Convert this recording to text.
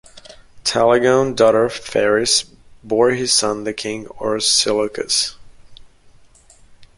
Telegone, daughter of Pharis, bore his son, the king Orsilochus.